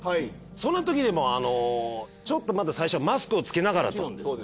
そんなときでもちょっとまだ最初はマスクをつけながらと。